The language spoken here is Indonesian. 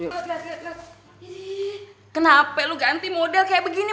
ih kenapa lo ganti model kayak begini